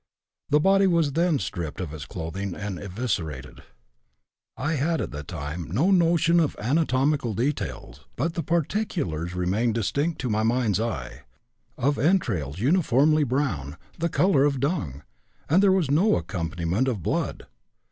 The body was then stripped of its clothing and eviscerated. I had at the time no notion of anatomical details; but the particulars remain distinct to my mind's eye, of entrails uniformly brown, the color of dung, and there was no accompaniment of blood.